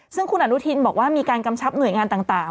ซึ่งคุณอนุทินบอกว่ามีการกำชับหน่วยงานต่าง